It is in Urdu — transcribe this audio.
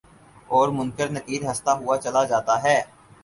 اور منکر نکیرہستہ ہوا چلا جاتا ہے